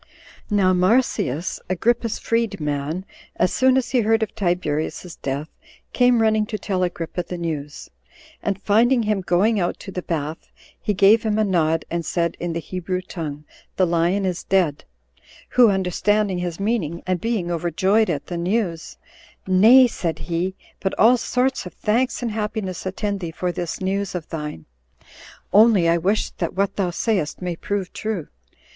Now Marsyas, Agrippa's freed man, as soon as he heard of Tiberius's death, came running to tell Agrippa the news; and finding him going out to the bath, he gave him a nod, and said, in the Hebrew tongue, "The lion 26 is dead;" who, understanding his meaning, and being overjoyed at the news, "Nay," said he, "but all sorts of thanks and happiness attend thee for this news of thine; only I wish that what thou sayest may prove true."